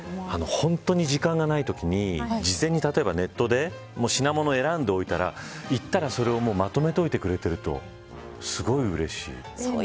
本当に時間がないとき事前にネットで品物を選んでおいたら行ったらそれをまとめておいてくれるとすごいうれしい。